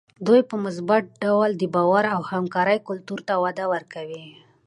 دوی په مثبت ډول د باور او همکارۍ کلتور ته وده ورکوي.